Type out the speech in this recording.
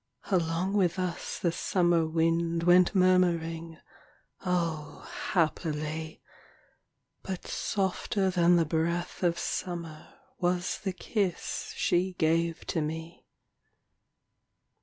Along with us the summer wind Went murmuring — O, happily !— But softer than the breath of summer Was the kiss she gave to me.